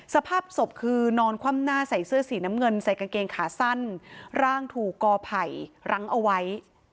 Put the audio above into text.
สภาพศพคือนอนคว่ำหน้าใส่เสื้อสีน้ำเงินใส่กางเกงขาสั้นร่างถูกกอไผ่รั้งเอาไว้